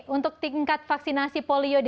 untuk tingkat vaksinasi polio di